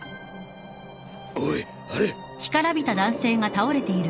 おいあれ。